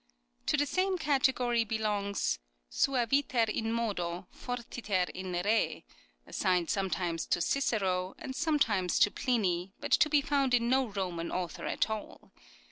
To the same category belongs " Suaviter in modo, fortiter in re," assigned sometimes to Cicero and sometimes to Pliny but to be found in no Roman author at all.